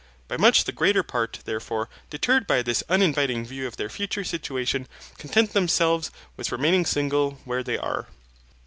By much the greater part, therefore, deterred by this uninviting view of their future situation, content themselves with remaining single where they are.